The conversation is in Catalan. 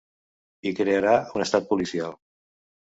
I crearà un estat policial.